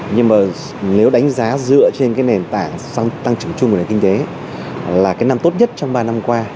nhưng nếu đánh giá dựa trên nền tảng tăng trưởng chung của nền kinh tế là năm tốt nhất trong ba năm qua